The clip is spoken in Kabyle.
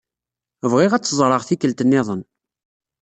Bɣiɣ ad tt-ẓreɣ tikkelt-nniḍen.